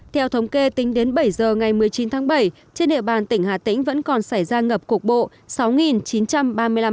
theo thống kê tính đến bảy giờ ngày một mươi chín tháng bảy trên địa bàn tỉnh hà tĩnh vẫn còn xảy ra ngập cục bộ